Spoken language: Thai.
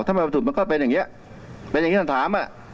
ถ้าไม่ถูกมันก็เป็นอย่างนี้เป็นอย่างที่ท่านถามอ่ะ